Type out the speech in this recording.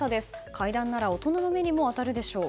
階段なら大人の目にも当たるでしょう。